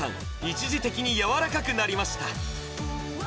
一時的にやわらかくなりました